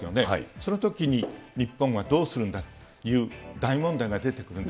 そのときに日本はどうするんだという大問題が出てくるんです